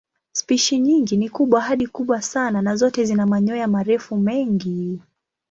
Spishi nyingi ni kubwa hadi kubwa sana na zote zina manyoya marefu mengi.